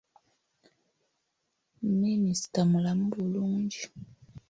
Minisita mulamu bulungi.